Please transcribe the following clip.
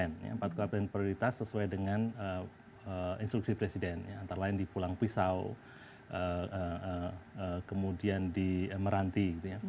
empat kabupaten prioritas sesuai dengan instruksi presiden antara lain di pulang pisau kemudian di meranti